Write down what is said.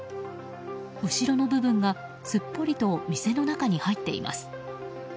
後ろの部分がすっぽりと店の中に入っています。